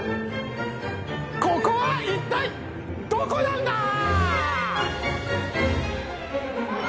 ここは一体どこなんだー！？